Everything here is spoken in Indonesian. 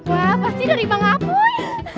wah pasti dari bang apoi